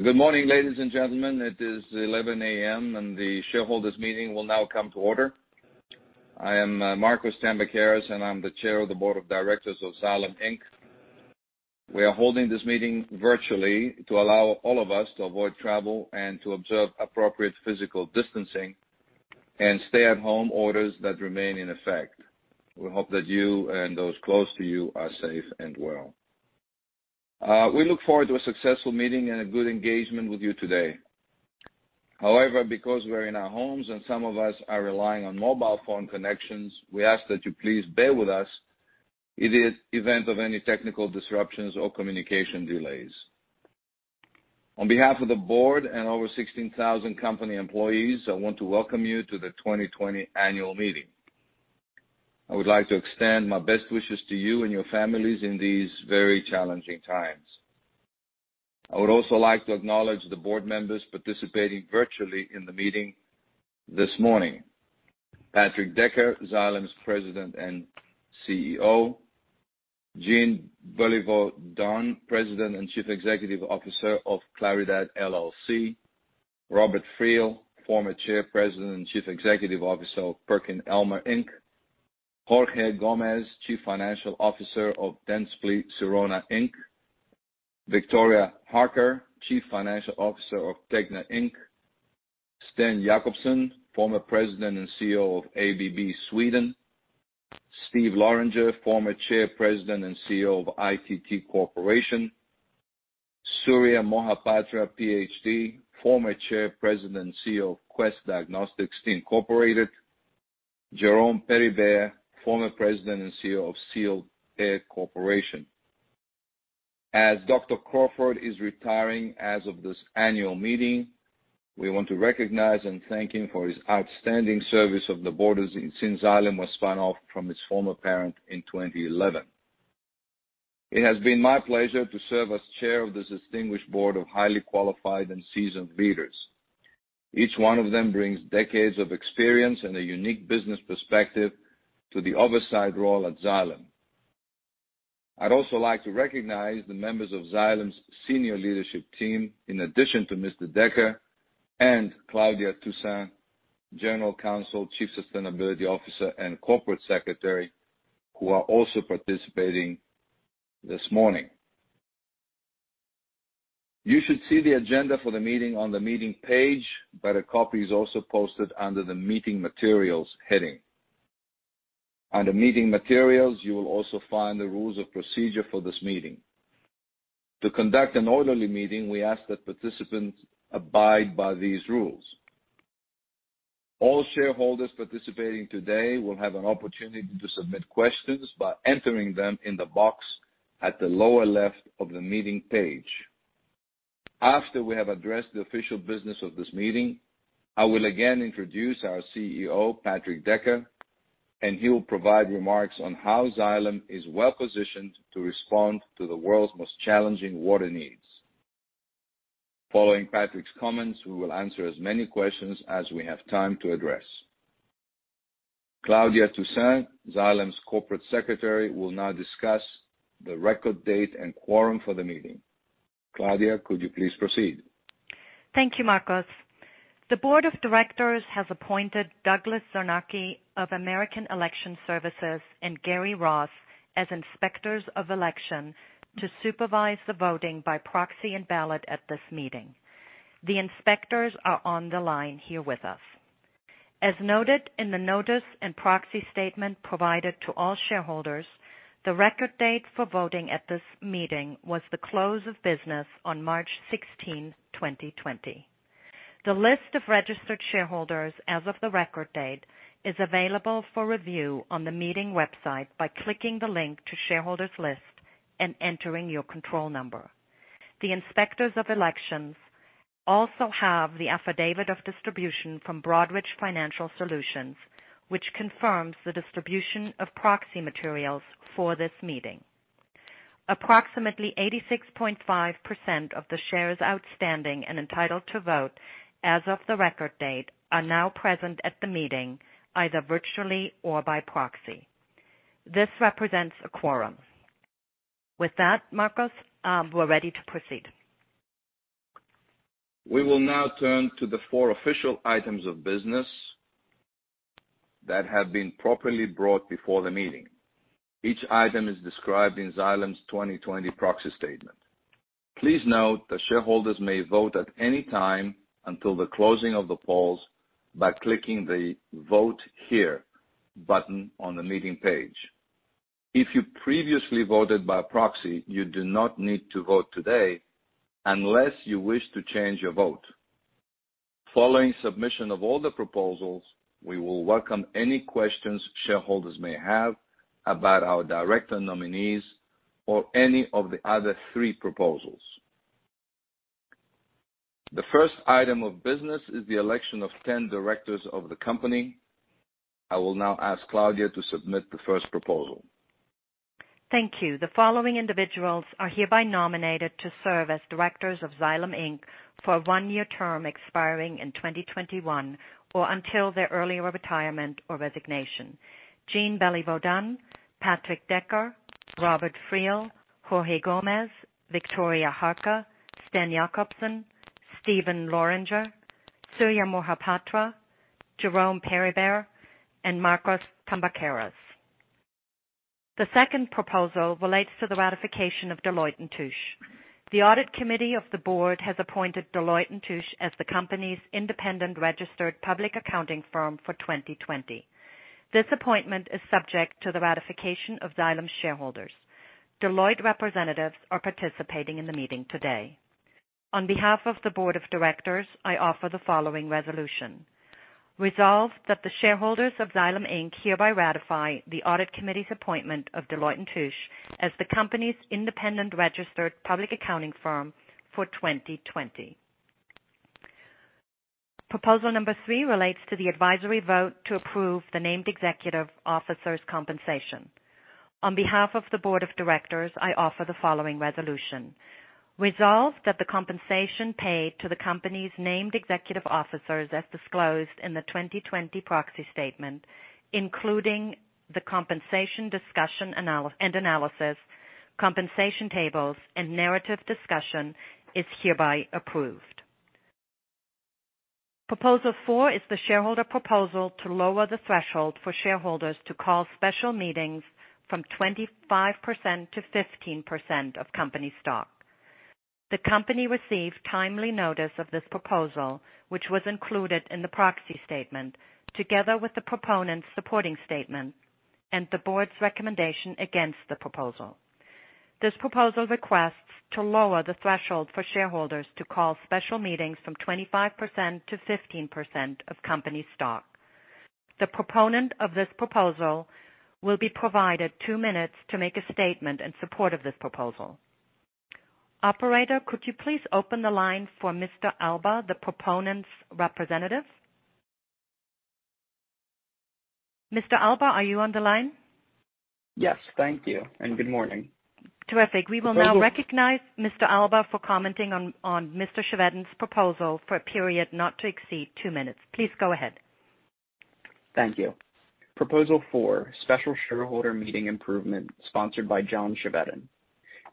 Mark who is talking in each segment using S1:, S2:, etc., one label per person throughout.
S1: Good morning, ladies and gentlemen. It is 11:00 A.M. and the shareholders' meeting will now come to order. I am Markos Tambakeras, and I'm the Chair of the Board of Directors of Xylem Inc. We are holding this meeting virtually to allow all of us to avoid travel and to observe appropriate physical distancing and stay-at-home orders that remain in effect. We hope that you and those close to you are safe and well. We look forward to a successful meeting and a good engagement with you today. However, because we're in our homes and some of us are relying on mobile phone connections, we ask that you please bear with us in the event of any technical disruptions or communication delays. On behalf of the board and over 16,000 company employees, I want to welcome you to the 2020 annual meeting. I would like to extend my best wishes to you and your families in these very challenging times. I would also like to acknowledge the board members participating virtually in the meeting this morning. Patrick Decker, Xylem's President and CEO. Jeanne Beliveau-Dunn, President and Chief Executive Officer of Claridad LLC. Robert Friel, former Chair, President, and Chief Executive Officer of PerkinElmer Inc. Jorge Gomez, Chief Financial Officer of Dentsply Sirona Inc. Victoria Harker, Chief Financial Officer of TEGNA Inc. Sten Jakobsson, former President and CEO of ABB Sweden. Steve Loranger, former Chair, President, and CEO of ITT Corporation. Surya Mohapatra, PhD, former Chair, President, and CEO of Quest Diagnostics Incorporated. Jerome Peribere, former President and CEO of Sealed Air Corporation. As Dr. Crawford is retiring as of this annual meeting, we want to recognize and thank him for his outstanding service of the board since Xylem was spun off from its former parent in 2011. It has been my pleasure to serve as chair of this distinguished board of highly qualified and seasoned leaders. Each one of them brings decades of experience and a unique business perspective to the oversight role at Xylem. I'd also like to recognize the members of Xylem's senior leadership team, in addition to Mr. Decker, and Claudia Toussaint, General Counsel, Chief Sustainability Officer, and Corporate Secretary, who are also participating this morning. You should see the agenda for the meeting on the meeting page, but a copy is also posted under the Meeting Materials heading. Under Meeting Materials, you will also find the rules of procedure for this meeting. To conduct an orderly meeting, we ask that participants abide by these rules. All shareholders participating today will have an opportunity to submit questions by entering them in the box at the lower left of the meeting page. After we have addressed the official business of this meeting, I will again introduce our CEO, Patrick Decker, and he will provide remarks on how Xylem is well-positioned to respond to the world's most challenging water needs. Following Patrick's comments, we will answer as many questions as we have time to address. Claudia Toussaint, Xylem's Corporate Secretary, will now discuss the record date and quorum for the meeting. Claudia, could you please proceed?
S2: Thank you, Markos. The board of directors has appointed Douglas Zernicke of American Election Services and Gary Ross as Inspectors of Election to supervise the voting by proxy and ballot at this meeting. The inspectors are on the line here with us. As noted in the notice and proxy statement provided to all shareholders, the record date for voting at this meeting was the close of business on March 16, 2020. The list of registered shareholders as of the record date is available for review on the meeting website by clicking the link to Shareholders List and entering your control number. The Inspectors of Elections also have the affidavit of distribution from Broadridge Financial Solutions, which confirms the distribution of proxy materials for this meeting. Approximately 86.5% of the shares outstanding and entitled to vote as of the record date are now present at the meeting, either virtually or by proxy. This represents a quorum. With that, Markos, we're ready to proceed.
S1: We will now turn to the four official items of business that have been properly brought before the meeting. Each item is described in Xylem's 2020 proxy statement. Please note that shareholders may vote at any time until the closing of the polls by clicking the Vote Here button on the meeting page. If you previously voted by proxy, you do not need to vote today unless you wish to change your vote. Following submission of all the proposals, we will welcome any questions shareholders may have about our director nominees or any of the other three proposals. The first item of business is the election of 10 directors of the company. I will now ask Claudia to submit the first proposal.
S2: Thank you. The following individuals are hereby nominated to serve as directors of Xylem Inc. for a one-year term expiring in 2021, or until their earlier retirement or resignation. Jeanne Beliveau-Dunn, Patrick Decker, Robert Friel, Jorge Gomez, Victoria Harker, Sten Jakobsson, Steven Loranger, Surya Mohapatra, Jerome Peribere, and Markos Tambakeras. The second proposal relates to the ratification of Deloitte & Touche. The audit committee of the board has appointed Deloitte & Touche as the company's independent registered public accounting firm for 2020. This appointment is subject to the ratification of Xylem shareholders. Deloitte representatives are participating in the meeting today. On behalf of the board of directors, I offer the following resolution. Resolved that the shareholders of Xylem Inc. hereby ratify the audit committee's appointment of Deloitte & Touche as the company's independent registered public accounting firm for 2020. Proposal number three relates to the advisory vote to approve the named executive officers' compensation. On behalf of the board of directors, I offer the following resolution. Resolved that the compensation paid to the company's named executive officers as disclosed in the 2020 proxy statement, including the compensation discussion and analysis, compensation tables, and narrative discussion is hereby approved. Proposal four is the shareholder proposal to lower the threshold for shareholders to call special meetings from 25%-15% of company stock. The company received timely notice of this proposal, which was included in the proxy statement, together with the proponent's supporting statement and the board's recommendation against the proposal. This proposal requests to lower the threshold for shareholders to call special meetings from 25%-15% of company stock. The proponent of this proposal will be provided two minutes to make a statement in support of this proposal. Operator, could you please open the line for Mr. Alba, the proponent's representative? Mr. Alba, are you on the line?
S3: Yes. Thank you and good morning.
S2: Terrific. We will now recognize Mr. Alba for commenting on Mr. Chevedden's proposal for a period not to exceed two minutes. Please go ahead.
S3: Thank you. Proposal four, special shareholder meeting improvement sponsored by John Chevedden.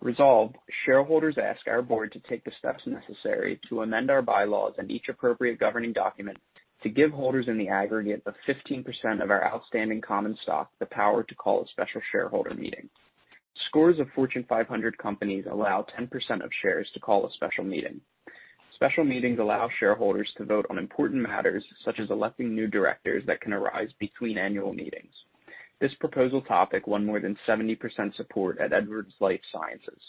S3: Resolved, shareholders ask our board to take the steps necessary to amend our bylaws and each appropriate governing document to give holders in the aggregate of 15% of our outstanding common stock the power to call a special shareholder meeting. Scores of Fortune 500 companies allow 10% of shares to call a special meeting. Special meetings allow shareholders to vote on important matters, such as electing new directors that can arise between annual meetings. This proposal topic won more than 70% support at Edwards Lifesciences.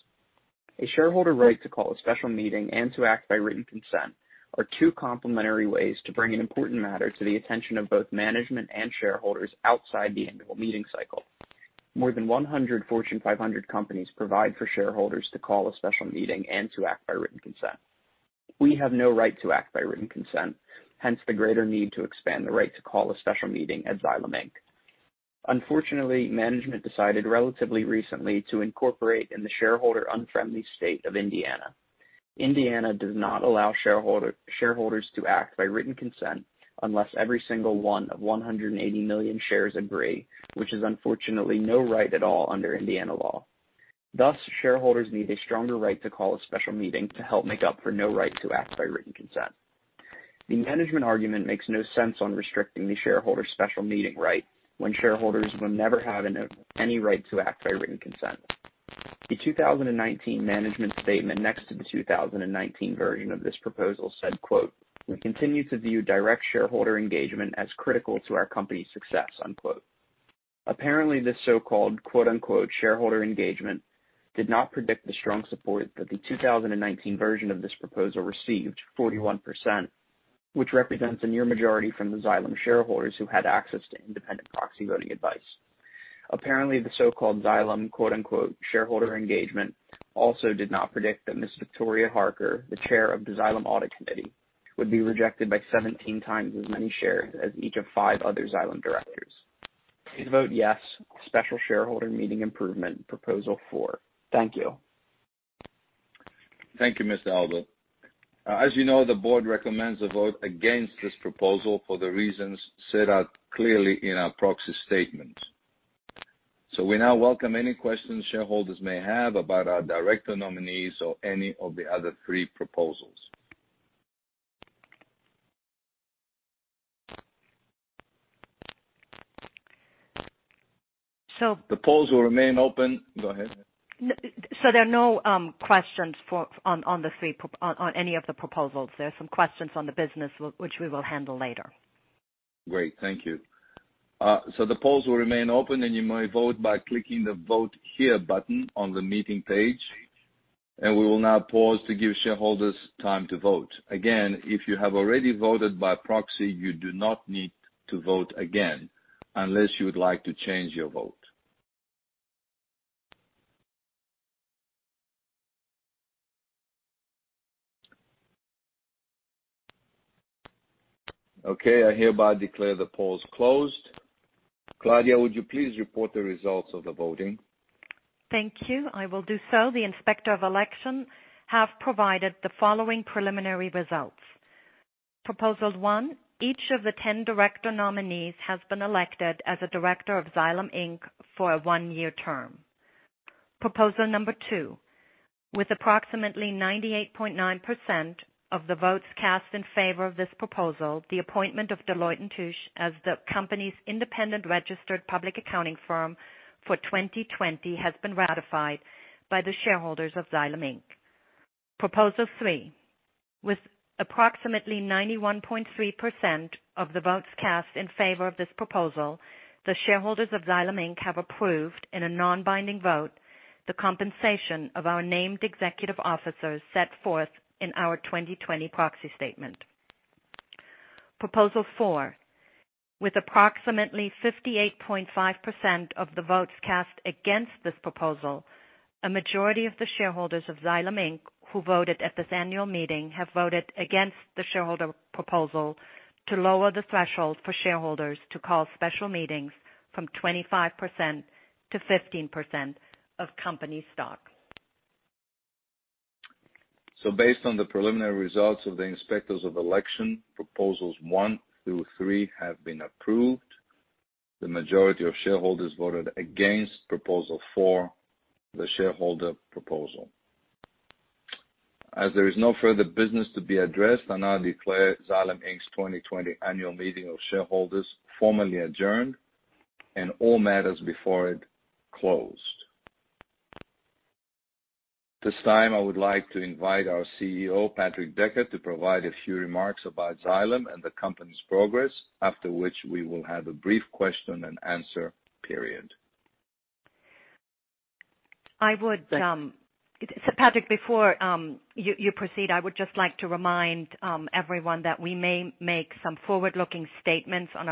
S3: A shareholder right to call a special meeting and to act by written consent are two complementary ways to bring an important matter to the attention of both management and shareholders outside the annual meeting cycle. More than 100 Fortune 500 companies provide for shareholders to call a special meeting and to act by written consent. We have no right to act by written consent, hence the greater need to expand the right to call a special meeting at Xylem Inc. Unfortunately, management decided relatively recently to incorporate in the shareholder-unfriendly state of Indiana. Indiana does not allow shareholders to act by written consent unless every single one of 180 million shares agree, which is unfortunately no right at all under Indiana law. Thus, shareholders need a stronger right to call a special meeting to help make up for no right to act by written consent. The management argument makes no sense on restricting the shareholder special meeting right when shareholders will never have any right to act by written consent. The 2019 management statement next to the 2019 version of this proposal said, quote, "We continue to view direct shareholder engagement as critical to our company's success." unquote. Apparently, this so-called, quote, unquote, shareholder engagement did not predict the strong support that the 2019 version of this proposal received 41%, which represents a near majority from the Xylem shareholders who had access to independent proxy voting advice. Apparently, the so-called Xylem, quote, unquote, shareholder engagement also did not predict that Ms. Victoria Harker, the Chair of the Xylem Audit Committee, would be rejected by 17 times as many shares as each of five other Xylem directors. Please vote yes, special shareholder meeting improvement proposal four. Thank you.
S1: Thank you, Mr. Alba. As you know, the board recommends a vote against this proposal for the reasons set out clearly in our proxy statement. We now welcome any questions shareholders may have about our director nominees or any of the other three proposals.
S2: So-
S1: The polls will remain open. Go ahead.
S2: There are no questions on any of the proposals. There are some questions on the business, which we will handle later.
S1: Great. Thank you. The polls will remain open, and you may vote by clicking the Vote Here button on the meeting page. We will now pause to give shareholders time to vote. Again, if you have already voted by proxy, you do not need to vote again unless you would like to change your vote. Okay, I hereby declare the polls closed. Claudia, would you please report the results of the voting?
S2: Thank you. I will do so. The Inspector of Election has provided the following preliminary results. Proposal one, each of the 10 director nominees has been elected as a director of Xylem Inc. for a one-year term. Proposal number two, with approximately 98.9% of the votes cast in favor of this proposal, the appointment of Deloitte & Touche as the company's independent registered public accounting firm for 2020 has been ratified by the shareholders of Xylem Inc. Proposal three, with approximately 91.3% of the votes cast in favor of this proposal, the shareholders of Xylem Inc. have approved, in a non-binding vote, the compensation of our named executive officers set forth in our 2020 proxy statement. Proposal four, with approximately 58.5% of the votes cast against this proposal, a majority of the shareholders of Xylem Inc. who voted at this annual meeting have voted against the shareholder proposal to lower the threshold for shareholders to call special meetings from 25%-15% of company stock.
S1: Based on the preliminary results of the inspectors of election, proposals one through three have been approved. The majority of shareholders voted against proposal four, the shareholder proposal. As there is no further business to be addressed, I now declare Xylem Inc.'s 2020 annual meeting of shareholders formally adjourned and all matters before it closed. This time, I would like to invite our CEO, Patrick Decker, to provide a few remarks about Xylem and the company's progress, after which we will have a brief question and answer period.
S2: Patrick, before you proceed, I would just like to remind everyone that we may make some forward-looking statements on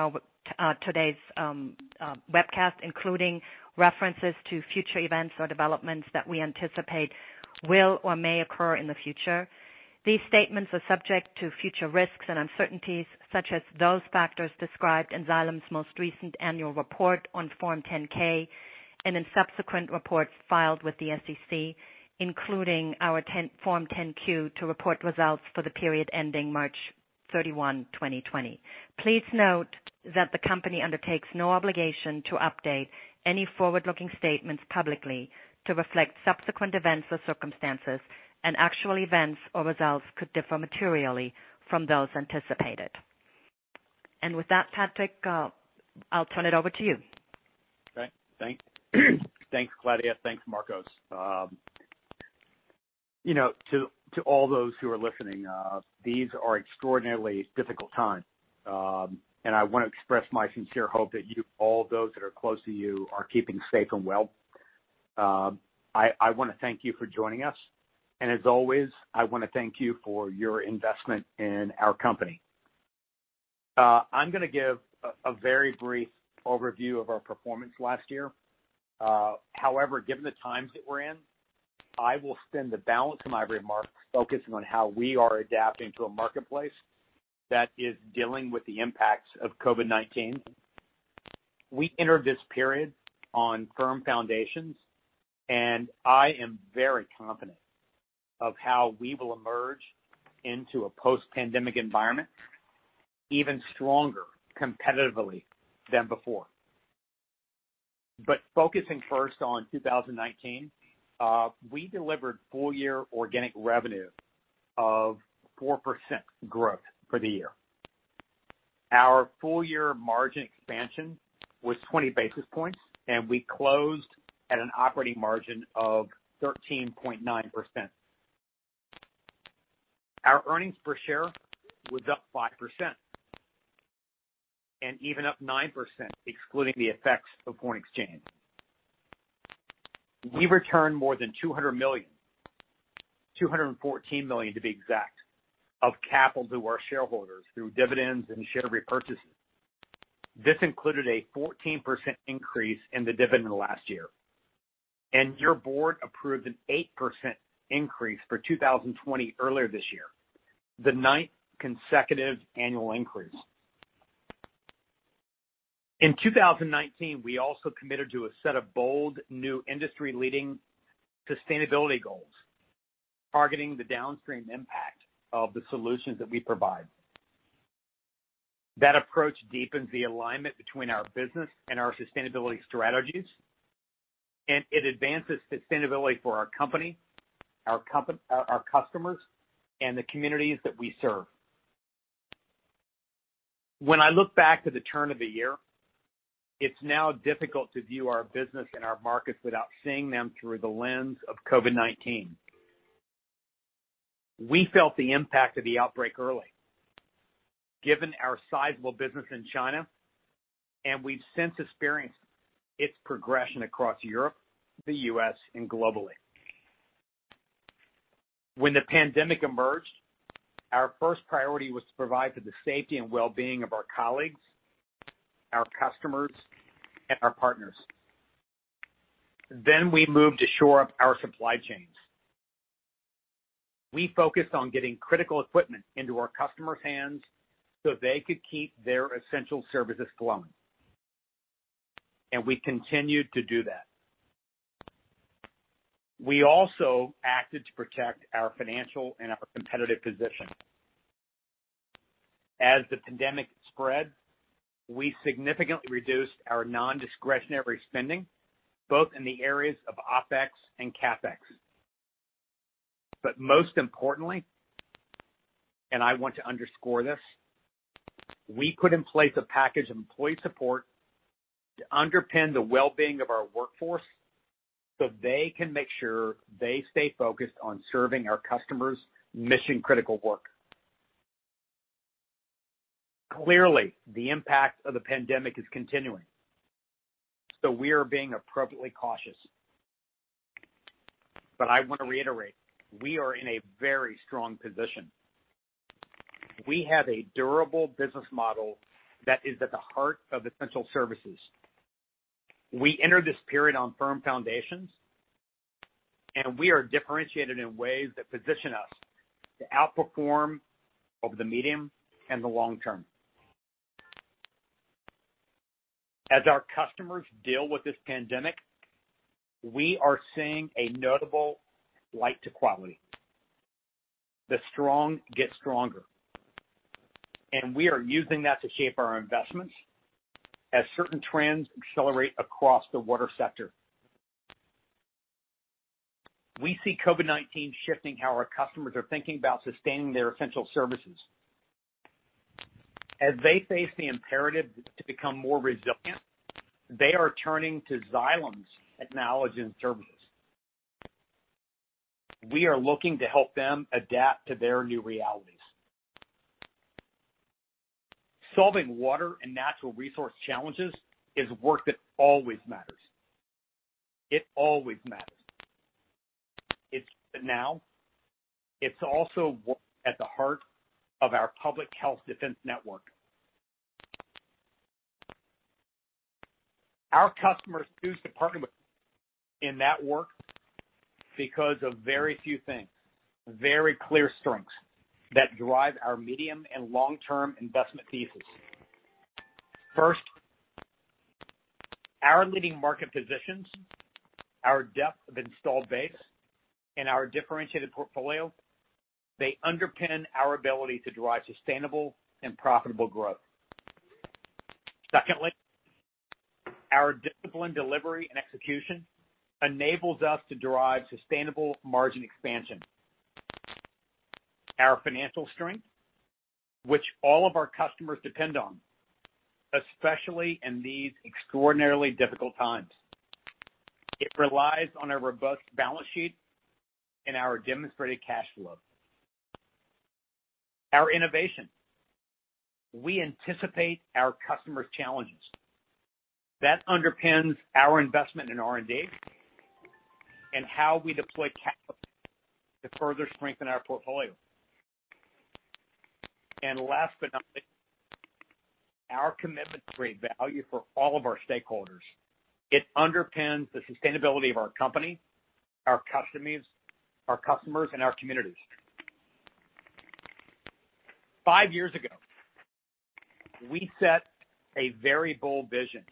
S2: today's webcast, including references to future events or developments that we anticipate will or may occur in the future. These statements are subject to future risks and uncertainties, such as those factors described in Xylem's most recent annual report on Form 10-K and in subsequent reports filed with the SEC, including our Form 10-Q to report results for the period ending March 31, 2020. Please note that the company undertakes no obligation to update any forward-looking statements publicly to reflect subsequent events or circumstances, and actual events or results could differ materially from those anticipated. With that, Patrick, I'll turn it over to you.
S4: Great. Thanks, Claudia. Thanks, Markos. To all those who are listening, these are extraordinarily difficult times. I want to express my sincere hope that you, all of those that are close to you, are keeping safe and well. I want to thank you for joining us. As always, I want to thank you for your investment in our company. I'm gonna give a very brief overview of our performance last year. However, given the times that we're in, I will spend the balance of my remarks focusing on how we are adapting to a marketplace that is dealing with the impacts of COVID-19. We entered this period on firm foundations, and I am very confident of how we will emerge into a post-pandemic environment even stronger competitively than before. Focusing first on 2019, we delivered full-year organic revenue of 4% growth for the year. Our full-year margin expansion was 20 basis points. We closed at an operating margin of 13.9%. Our earnings per share was up 5%. Even up 9% excluding the effects of foreign exchange. We returned more than $200 million, $214 million to be exact, of capital to our shareholders through dividends and share repurchases. This included a 14% increase in the dividend last year. Your board approved an 8% increase for 2020 earlier this year, the ninth consecutive annual increase. In 2019, we also committed to a set of bold, new industry-leading sustainability goals targeting the downstream impact of the solutions that we provide. That approach deepens the alignment between our business and our sustainability strategies. It advances sustainability for our company, our customers, and the communities that we serve. When I look back to the turn of the year, it's now difficult to view our business and our markets without seeing them through the lens of COVID-19. We felt the impact of the outbreak early given our sizable business in China, and we've since experienced its progression across Europe, the U.S., and globally. When the pandemic emerged, our first priority was to provide for the safety and well-being of our colleagues, our customers, and our partners. We moved to shore up our supply chains. We focused on getting critical equipment into our customers' hands so they could keep their essential services flowing. We continued to do that. We also acted to protect our financial and our competitive position. As the pandemic spread, we significantly reduced our non-discretionary spending, both in the areas of OpEx and CapEx. Most importantly, and I want to underscore this, we put in place a package of employee support to underpin the well-being of our workforce so they can make sure they stay focused on serving our customers mission-critical work. Clearly, the impact of the pandemic is continuing, so we are being appropriately cautious. I want to reiterate, we are in a very strong position. We have a durable business model that is at the heart of essential services. We entered this period on firm foundations, and we are differentiated in ways that position us to outperform over the medium and the long term. As our customers deal with this pandemic, we are seeing a notable flight to quality. The strong get stronger, and we are using that to shape our investments as certain trends accelerate across the water sector. We see COVID-19 shifting how our customers are thinking about sustaining their essential services. As they face the imperative to become more resilient, they are turning to Xylem's knowledge and services. We are looking to help them adapt to their new realities. Solving water and natural resource challenges is work that always matters. It always matters. It's now, it's also at the heart of our public health defense network. Our customers choose to partner with us in that work because of very few things, very clear strengths that drive our medium and long-term investment thesis. First, our leading market positions, our depth of installed base, and our differentiated portfolio, they underpin our ability to drive sustainable and profitable growth. Secondly, our disciplined delivery and execution enables us to derive sustainable margin expansion. Our financial strength, which all of our customers depend on, especially in these extraordinarily difficult times. It relies on a robust balance sheet and our demonstrated cash flow. Our innovation. We anticipate our customers' challenges. That underpins our investment in R&D and how we deploy capital to further strengthen our portfolio. Last but not least, our commitment to create value for all of our stakeholders. It underpins the sustainability of our company, our customers, and our communities. Five years ago, we set a very bold vision: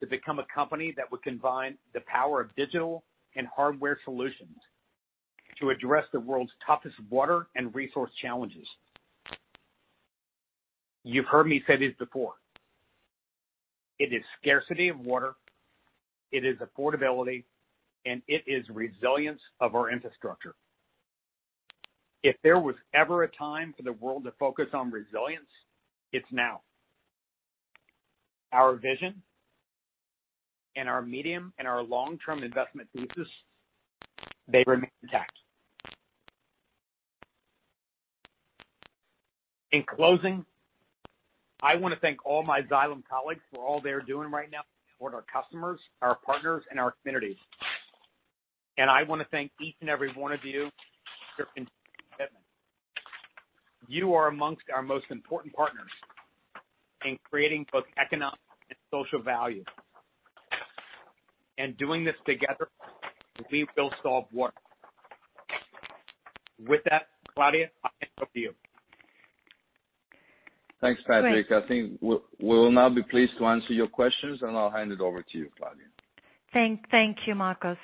S4: to become a company that would combine the power of digital and hardware solutions to address the world's toughest water and resource challenges. You've heard me say this before. It is scarcity of water, it is affordability, and it is resilience of our infrastructure. If there was ever a time for the world to focus on resilience, it's now. Our vision and our medium and our long-term investment thesis, they remain intact. In closing, I want to thank all my Xylem colleagues for all they're doing right now to support our customers, our partners, and our communities. I want to thank each and every one of you for your continued commitment. You are amongst our most important partners in creating both economic and social value. Doing this together, we will solve water. With that, Claudia, back over to you.
S1: Thanks, Patrick.
S2: Great.
S1: I think we will now be pleased to answer your questions, and I'll hand it over to you, Claudia.
S2: Thank you, Markos.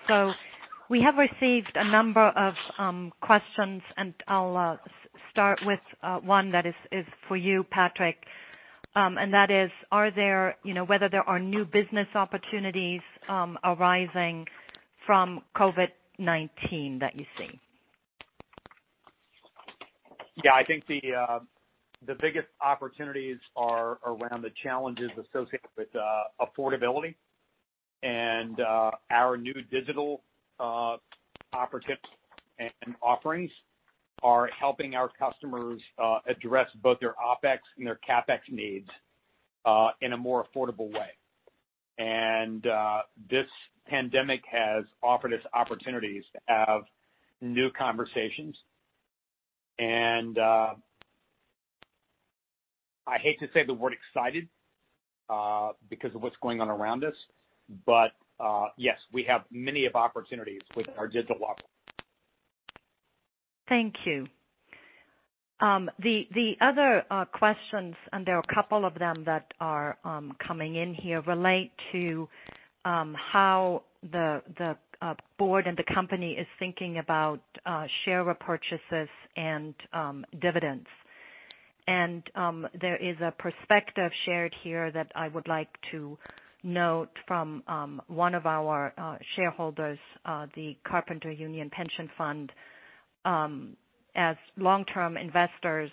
S2: We have received a number of questions, and I'll start with one that is for you, Patrick, and that is whether there are new business opportunities arising from COVID-19 that you see.
S4: Yeah. I think the biggest opportunities are around the challenges associated with affordability and our new digital opportunities and offerings are helping our customers address both their OpEx and their CapEx needs in a more affordable way. This pandemic has offered us opportunities to have new conversations, and I hate to say the word excited because of what's going on around us, but yes, we have many of opportunities with our digital offering.
S2: Thank you. The other questions, and there are a couple of them that are coming in here, relate to how the board and the company is thinking about share repurchases and dividends. There is a perspective shared here that I would like to note from one of our shareholders, the Carpenters Union Pension Fund. As long-term investors,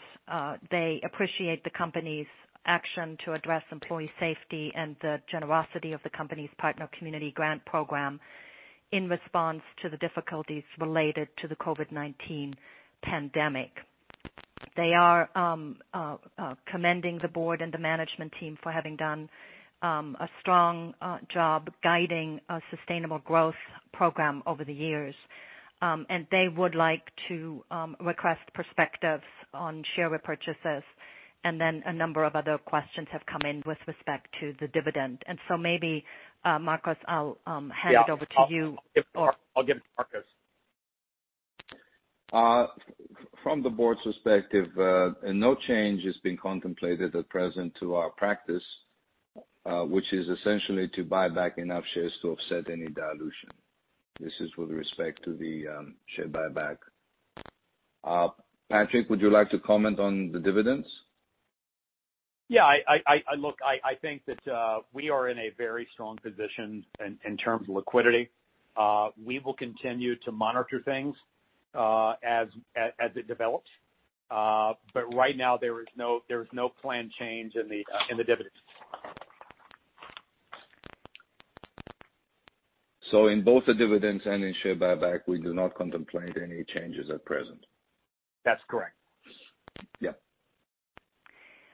S2: they appreciate the company's action to address employee safety and the generosity of the company's Xylem Watermark Community Grants program in response to the difficulties related to the COVID-19 pandemic. They are commending the board and the management team for having done a strong job guiding a sustainable growth program over the years. They would like to request perspectives on share repurchases, and then a number of other questions have come in with respect to the dividend. Maybe, Markos, I'll hand it over to you.
S4: Yeah. I'll give it to Markos.
S1: From the board's perspective, no change is being contemplated at present to our practice, which is essentially to buy back enough shares to offset any dilution. This is with respect to the share buyback. Patrick, would you like to comment on the dividends?
S4: Yeah. Look, I think that we are in a very strong position in terms of liquidity. We will continue to monitor things as it develops. Right now, there is no planned change in the dividends.
S1: In both the dividends and in share buyback, we do not contemplate any changes at present.
S4: That's correct.
S1: Yeah.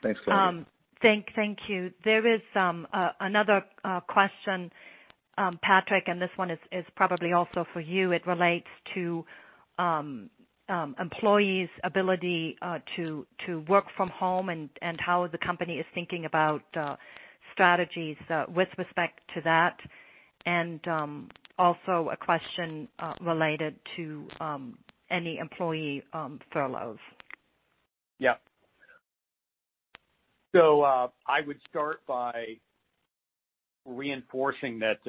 S1: Thanks, Claudia.
S2: Thank you. There is another question, Patrick, and this one is probably also for you. It relates to employees' ability to work from home and how the company is thinking about strategies with respect to that, and also a question related to any employee furloughs.
S4: I would start by reinforcing that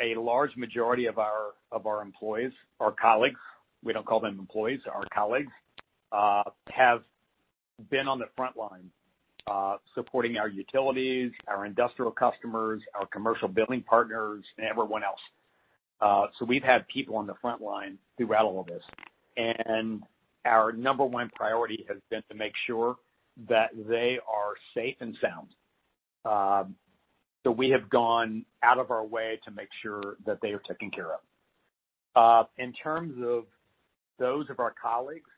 S4: a large majority of our employees, our colleagues, we don't call them employees, our colleagues, have been on the front line supporting our utilities, our industrial customers, our commercial building partners, and everyone else. We've had people on the front line throughout all of this, and our number one priority has been to make sure that they are safe and sound. We have gone out of our way to make sure that they are taken care of. In terms of those of our colleagues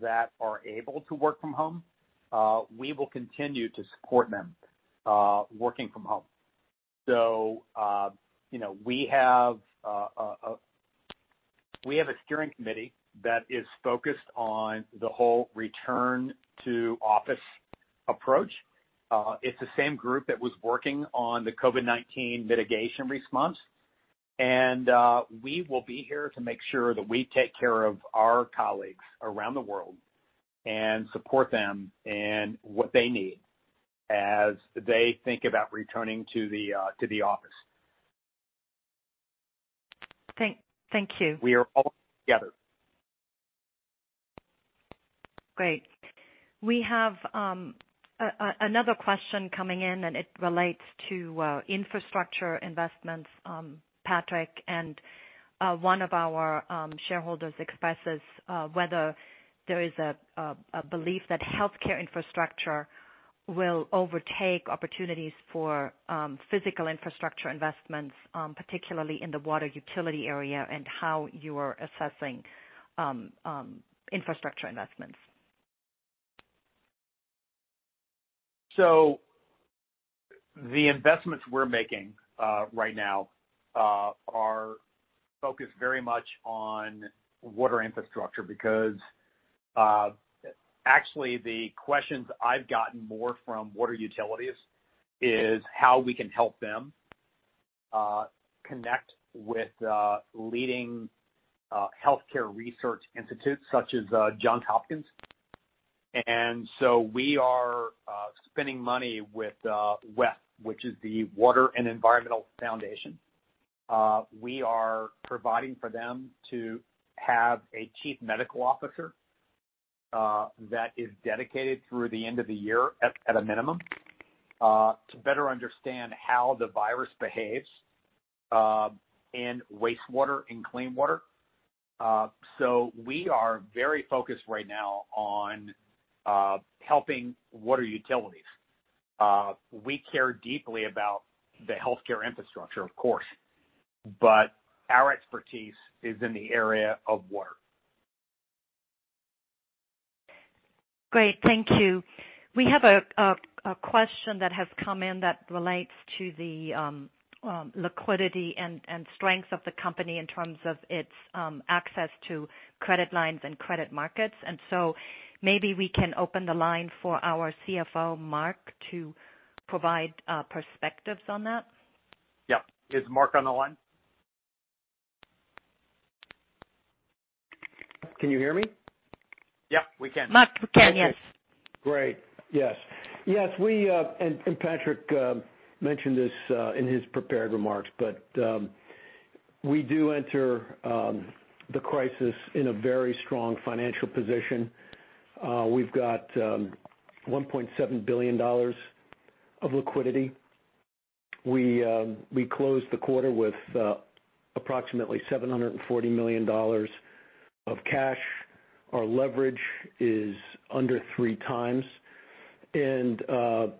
S4: that are able to work from home, we will continue to support them working from home. We have a steering committee that is focused on the whole return-to-office approach. It's the same group that was working on the COVID-19 mitigation response. We will be here to make sure that we take care of our colleagues around the world and support them in what they need as they think about returning to the office.
S2: Thank you.
S4: We are all in this together.
S2: Great. We have another question coming in, and it relates to infrastructure investments, Patrick, and one of our shareholders expresses whether there is a belief that healthcare infrastructure will overtake opportunities for physical infrastructure investments, particularly in the water utility area, and how you are assessing infrastructure investments.
S4: The investments we're making right now are focused very much on water infrastructure because actually the questions I've gotten more from water utilities is how we can help them connect with leading healthcare research institutes such as Johns Hopkins. We are spending money with WEF, which is the Water Environment Federation. We are providing for them to have a chief medical officer that is dedicated through the end of the year at a minimum, to better understand how the virus behaves in wastewater and clean water. We are very focused right now on helping water utilities. We care deeply about the healthcare infrastructure, of course, but our expertise is in the area of water.
S2: Great. Thank you. We have a question that has come in that relates to the liquidity and strength of the company in terms of its access to credit lines and credit markets. Maybe we can open the line for our CFO, Mark, to provide perspectives on that.
S4: Yeah. Is Mark on the line?
S5: Can you hear me?
S4: Yeah, we can.
S2: Mark, we can, yes.
S5: Great. Yes. Patrick mentioned this in his prepared remarks, but we do enter the crisis in a very strong financial position. We've got $1.7 billion of liquidity. We closed the quarter with approximately $740 million of cash. Our leverage is under 3x.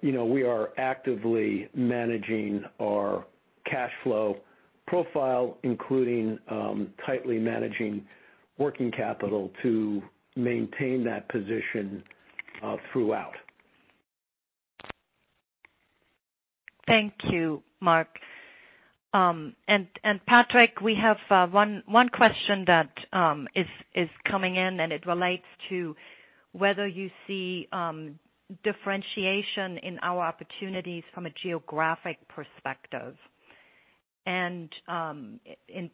S5: We are actively managing our cash flow profile, including tightly managing working capital to maintain that position throughout.
S2: Thank you, Mark. Patrick, we have one question that is coming in and it relates to whether you see differentiation in our opportunities from a geographic perspective. In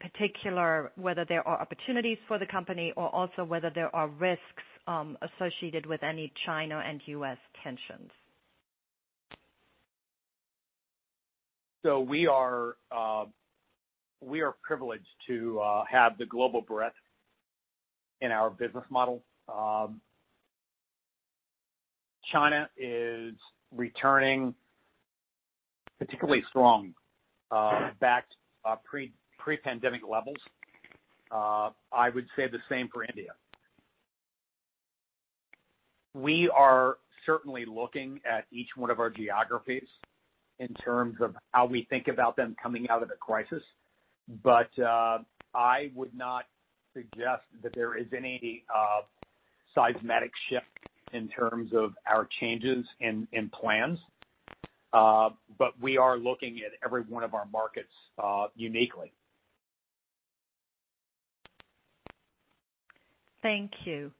S2: particular, whether there are opportunities for the company or also whether there are risks associated with any China and U.S. tensions.
S4: We are privileged to have the global breadth in our business model. China is returning particularly strong, back to pre-pandemic levels. I would say the same for India. We are certainly looking at each one of our geographies in terms of how we think about them coming out of the crisis. I would not suggest that there is any seismic shift in terms of our changes in plans. We are looking at every one of our markets uniquely.
S2: Thank you.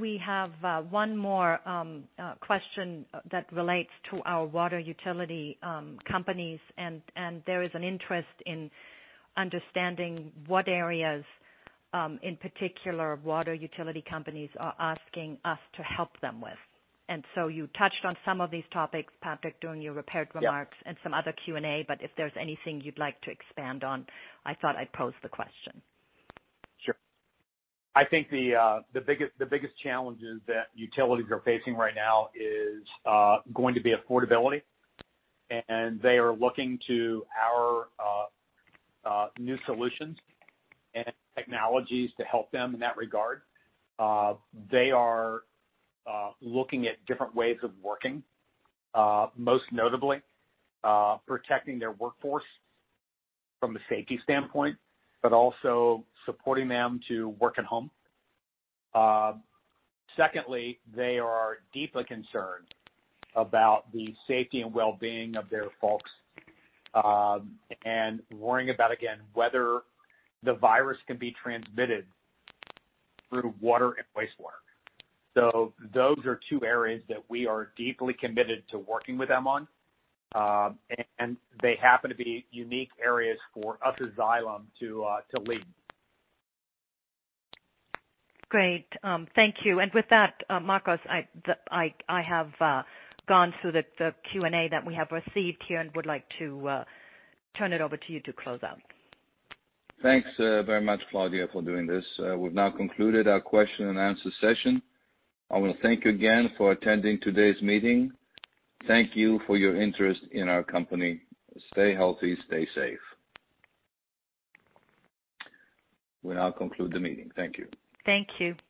S2: We have one more question that relates to our water utility companies. There is an interest in understanding what areas, in particular, water utility companies are asking us to help them with. You touched on some of these topics, Patrick, during your prepared remarks.
S4: Yeah.
S2: Some other Q&A, if there's anything you'd like to expand on, I thought I'd pose the question.
S4: Sure. I think the biggest challenges that utilities are facing right now is going to be affordability. They are looking to our new solutions and technologies to help them in that regard. They are looking at different ways of working. Most notably, protecting their workforce from a safety standpoint, but also supporting them to work at home. Secondly, they are deeply concerned about the safety and wellbeing of their folks, worrying about, again, whether the virus can be transmitted through water and wastewater. Those are two areas that we are deeply committed to working with them on. They happen to be unique areas for us as Xylem to lead.
S2: Great. Thank you. With that, Markos, I have gone through the Q&A that we have received here and would like to turn it over to you to close out.
S1: Thanks very much, Claudia, for doing this. We've now concluded our question-and-answer session. I want to thank you again for attending today's meeting. Thank you for your interest in our company. Stay healthy, stay safe. We now conclude the meeting. Thank you.
S2: Thank you.